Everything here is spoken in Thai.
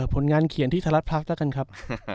ผลงานเขียนที่ไทยรัฐพลัสแล้วกันครับ